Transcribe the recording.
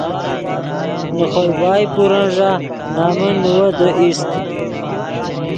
نے خوئے بائے پورن ݱا نمن نیویدے اِیست